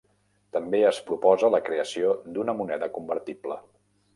També es proposa la creació d’una moneda convertible.